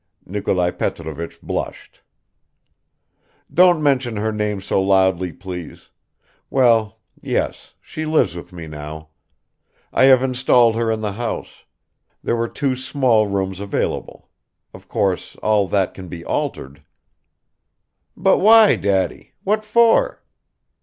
Nikolai Petrovich blushed. "Don't mention her name so loudly, please ... Well, yes ... she lives with me now. I have installed her in the house ... there were two small rooms available. Of course, all that can be altered." "But why, Daddy; what for?'